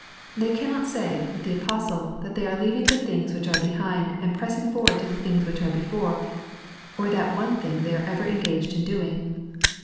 They cannot say, with the Apostle, that they are leaving the things which are behind, and pressing forward to the things which are before, or that one thing they are ever engaged in doing.